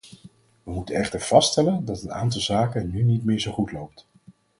Wij moeten echter vaststellen dat een aantal zaken nu niet meer zo goed loopt.